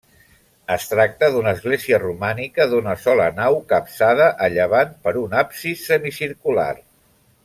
Es tracta d'una església romànica d'una sola nau capçada a llevant per un absis semicircular.